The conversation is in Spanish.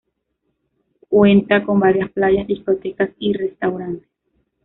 Cuenta con varias playas, discotecas y restaurantes.